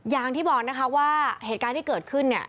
อย่างที่บอกนะคะว่าเหตุการณ์ที่เกิดขึ้นเนี่ย